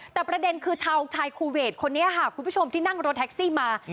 แต่ประเด็นคือชาวชายคูเวทคนนี้ค่ะคุณผู้ชมที่นั่งรถแท็กซี่มา